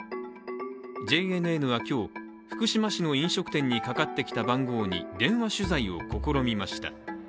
ＪＮＮは今日、福島市の飲食店にかかってきた番号に電話取材を試みました、